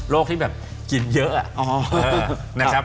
โรคที่แบบกินเยอะ